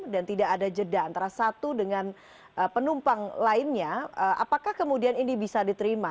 dan tidak ada jeda antara satu dengan penumpang lainnya apakah kemudian ini bisa diterima